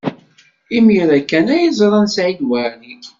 Imir-a kan ay ẓran Saɛid Waɛli.